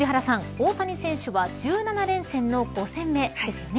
大谷選手は１７連戦の５戦目ですね。